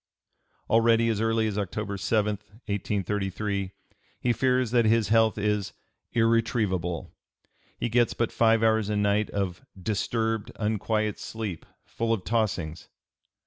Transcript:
Already as early as October 7, 1833, he fears that his health is "irretrievable;" he gets but five hours a night of "disturbed unquiet sleep full of tossings."